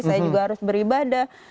saya juga harus beribadah